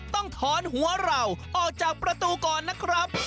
ต้องถอนหัวเราออกจากประตูก่อนนะครับ